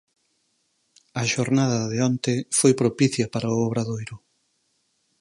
A xornada de onte foi propicia para o Obradoiro.